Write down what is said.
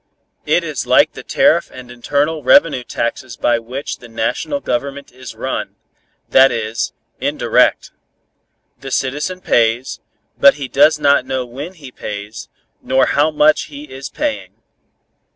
"It is like the tariff and internal revenue taxes by which the National Government is run, that is, indirect. The citizen pays, but he does not know when he pays, nor how much he is paying.